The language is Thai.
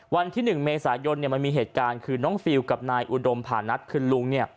วันที่๑เมษายนมันมีเหตุการณ์คือน้องฟิลกับนายอุดมผ่านนัดคือลุง